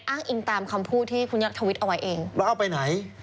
อ้างอิงตามคำพูดที่คุณยักษ์ทวิตเอาไว้เองแล้วเอาไปไหน